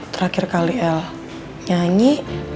terakhir kali el nyanyi